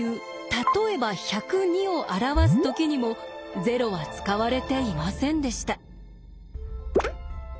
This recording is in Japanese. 例えば１０２を表す時にも０は使われていませんでした。